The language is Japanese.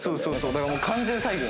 だから完全再現。